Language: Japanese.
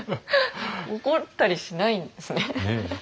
怒ったりしないんですね。